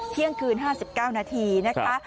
เที่ยงคืนห้าสิบเก้านาทีนะคะ